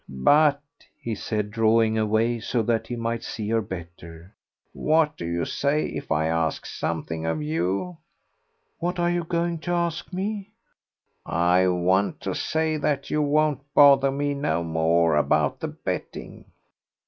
But," he said, drawing away so that he might see her better, "what do you say if I ask something of you?" "What are you going to ask me?" "I want you to say that you won't bother me no more about the betting.